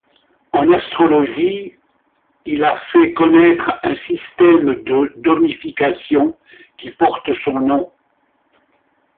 En astrologie, il a fait connaître un système de domification qui porte son nom.